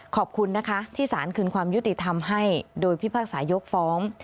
ขอบคุณนะคะที่สารคืนความยุติธรรมให้โดยพิพากษายกฟ้อง